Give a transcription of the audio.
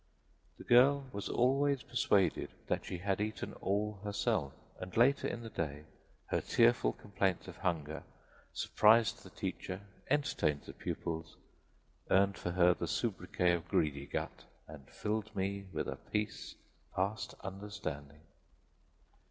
The girl was always persuaded that she had eaten all herself; and later in the day her tearful complaints of hunger surprised the teacher, entertained the pupils, earned for her the sobriquet of Greedy Gut and filled me with a peace past understanding.